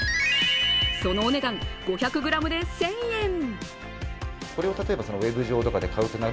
そのお値段、５００ｇで１０００円。